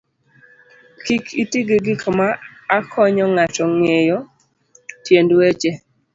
Kik iti gi gik m akonyo ng'ato ng'eyo tiend weche